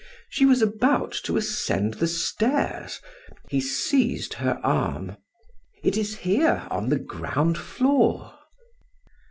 She was about to ascend the stairs. He seized her arm: "It is here, on the ground floor."